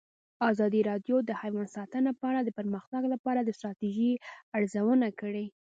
ازادي راډیو د حیوان ساتنه په اړه د پرمختګ لپاره د ستراتیژۍ ارزونه کړې.